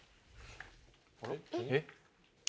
あら？えっ？